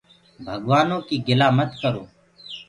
ڀگوآنو ڪيٚ گِلآ مت ڪرو۔